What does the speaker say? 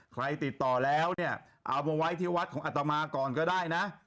ใครติดต่อแล้วเนี่ยเอามาไว้ที่วัดของอัตมาก่อนก็ได้นะ